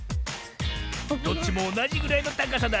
どっちもおなじぐらいのたかさだ。